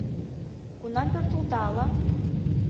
Кунам пӧртылта ала...